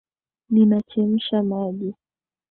Ninachemsha maji.